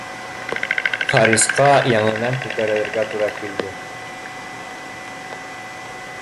Харисҡа яңынан күтәрелергә тура килде